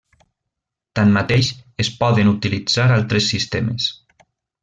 Tanmateix, es poden utilitzar altres sistemes.